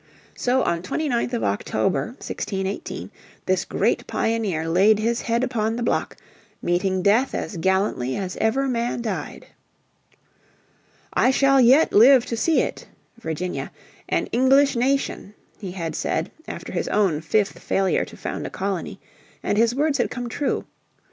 So on 29th of October, 1618, this great pioneer laid his head upon the block, meeting death as gallantly as ever man died. "I shall yet live to see it (Virginia) an English nation," he had said, after his own fifth failure to found a colony, and his words had come true.